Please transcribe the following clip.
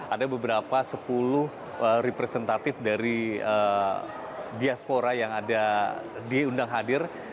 ada beberapa sepuluh representatif dari diaspora yang ada diundang hadir